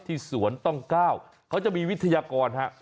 ที่สวนต้องก้าวเขาจะมีวิทยากรฮะ